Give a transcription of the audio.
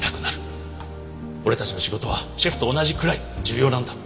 俺たちの仕事はシェフと同じくらい重要なんだ。